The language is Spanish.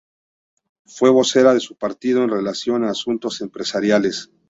Fue vocera de su partido, en relación a asuntos empresariales.